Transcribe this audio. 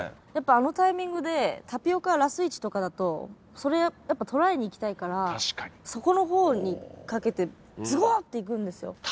やっぱりあのタイミングでタピオカがラス１とかだとそれやっぱとらえにいきたいから底の方にかけてズゴッていくんですよ。